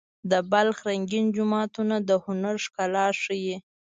د بلخ رنګین جوماتونه د هنر ښکلا ښيي.